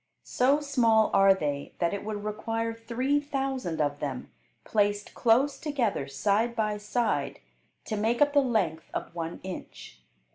So small are they that it would require three thousand of them, placed close together, side by side, to make up the length of one inch.